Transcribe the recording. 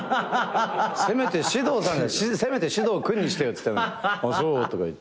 せめて獅童さんかせめて獅童君にしてよっつってんのに「そう」とか言って。